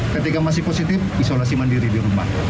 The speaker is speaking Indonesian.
ketika masih positif isolasi mandiri di rumah